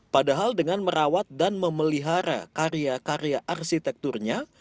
padahal dengan merawat dan memelihara karya karya arsitekturnya